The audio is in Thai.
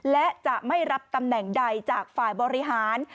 และจะไม่รับตำแหน่งใดจากฝ่ายบริหาร